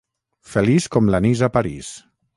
Feliç com l'anís a París.